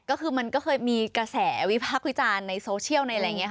ก็คือมันก็เคยมีกระแสวิพักษ์วิจารณ์ในโซเชียลในอะไรอย่างนี้ค่ะ